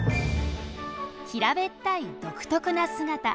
平べったい独特な姿。